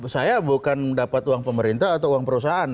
saya bukan dapat uang pemerintah atau uang perusahaan